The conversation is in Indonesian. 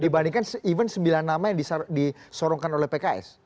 dibandingkan even sembilan nama yang disorongkan oleh pks